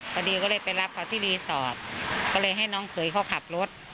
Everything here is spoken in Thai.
พอดีก็เลยไปรับเขาที่รีสอร์ทก็เลยให้น้องเขยเขาขับรถ